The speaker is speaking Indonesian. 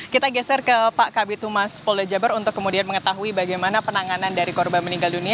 kita geser ke pak kabit humas polda jabar untuk kemudian mengetahui bagaimana penanganan dari korban meninggal dunia